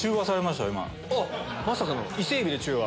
まさかのイセエビで中和。